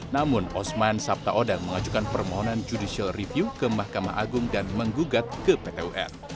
namun osman sabtaodang mengajukan permohonan judicial review ke mahkamah agung dan menggugat ke pt un